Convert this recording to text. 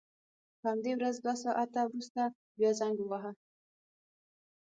په همدې ورځ دوه ساعته وروسته بیا زنګ وواهه.